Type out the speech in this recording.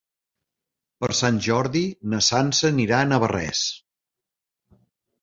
Per Sant Jordi na Sança anirà a Navarrés.